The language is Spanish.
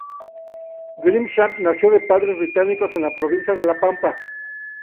Grimshaw nació de padres británicos en la provincia de La Pampa.